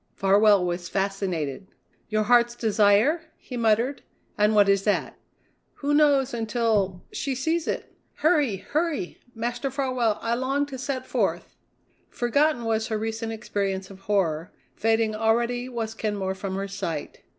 Farwell was fascinated. "Your Heart's Desire?" he muttered; "and what is that?" "Who knows until she sees it? Hurry! hurry! Master Farwell, I long to set forth." Forgotten was her recent experience of horror; fading already was Kenmore from her sight.